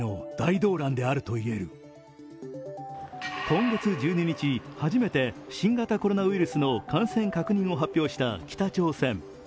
今月１２日、初めて新型コロナウイルスの感染確認を発表した北朝鮮。